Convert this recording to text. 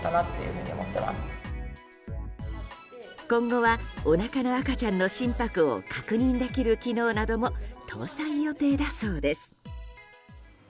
今後は、おなかの赤ちゃんの心拍を確認できる機能なども搭載予定だそうです。